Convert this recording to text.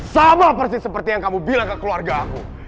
sama persis seperti yang kamu bilang ke keluarga aku